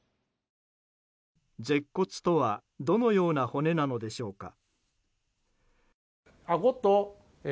舌骨とはどのような骨なのでしょうか。